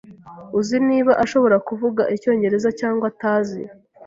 Uzi niba ashobora kuvuga icyongereza cyangwa atazi?